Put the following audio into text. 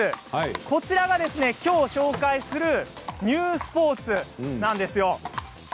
こちらがきょう紹介するニュースポーツなんですよ。